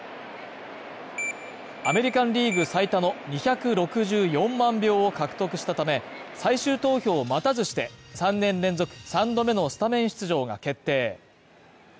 アメリカン・リーグ最多の２６４万票を獲得したため、最終投票を待たずして、３年連続、３度目のスタメン出場が決定。